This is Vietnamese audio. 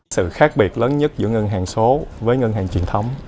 sự khác biệt lớn nhất giữa ngân hàng số với ngân hàng truyền thống